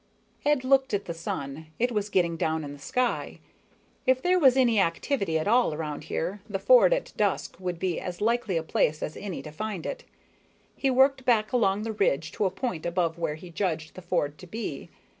_Ed looked at the sun. It was getting down in the sky. If there was any activity at all around here, the ford at dusk would be as likely a place as any to find it. He worked back along the ridge to a point above where he judged the ford to be.